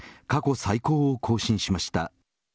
過去最高を更新しました。